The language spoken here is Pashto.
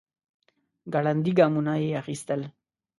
ګړندي ګامونه يې اخيستل.